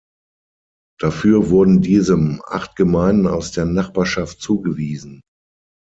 Dafür wurden diesem acht Gemeinden aus der Nachbarschaft zugewiesen.